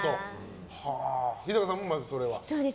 日高さんもそれは？